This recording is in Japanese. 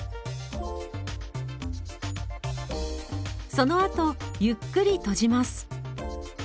そのあとゆっくり閉じます。